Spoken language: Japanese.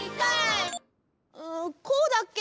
んこうだっけ？